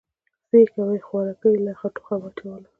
_څه يې کوې، خوارکی يې له اخه ټوخه واچوله.